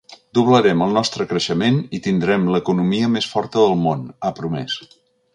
Doblarem el nostre creixement i tindrem l’economia més forta del món, ha promès.